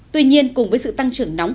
tuy nhiên cùng với sự tăng trưởng nóng